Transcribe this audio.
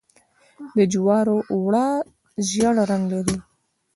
د جوارو اوړه ژیړ رنګ لري.